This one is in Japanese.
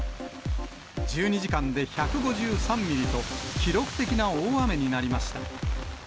１２時間で１５３ミリと、記録的な大雨になりました。